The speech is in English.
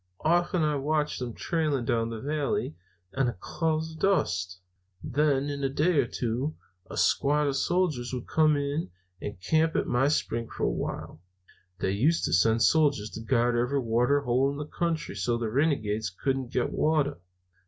Often I've watched them trailing down the valley in a cloud of dust. Then, in a day or two, a squad of soldiers would come up and camp at my spring for a while. They used to send soldiers to guard every water hole in the country so the renegades couldn't get water.